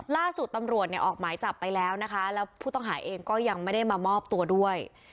ล่าสุดตำรวจเนี่ยออกหมายจับไปแล้วนะคะแล้วผู้ต้องหาเองก็ยังไม่ได้มามอบตัวด้วย